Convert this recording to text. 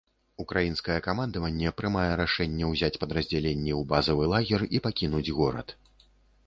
Украінскае камандаванне прымае рашэнне ўзяць падраздзяленні ў базавы лагер і пакінуць горад.